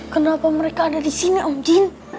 kenapa mereka ada disini om jin